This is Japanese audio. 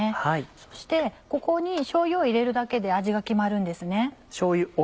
そしてここにしょうゆを入れるだけで味が決まるんです。